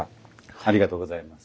ありがとうございます。